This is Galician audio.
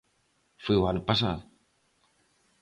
Foi o ano pasado.